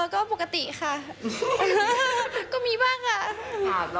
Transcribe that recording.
ก็ปกติค่ะก็มีบ้างค่ะ